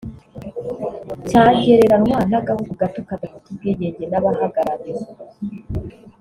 cyagereranywa n’agahugu gato kadafite ubwigenge n’abagahagarariye